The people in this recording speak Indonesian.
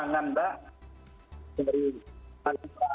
dari halangan atau visi haloh